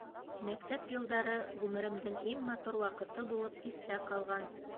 Мәктәп йылдары ғүмеремдең иң матур ваҡыты булып иҫтә ҡалған.